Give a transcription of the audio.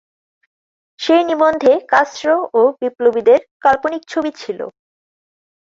সেই নিবন্ধে কাস্ত্রো ও বিপ্লবীদের কাল্পনিক ছবি ছিল।